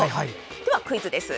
では、クイズです。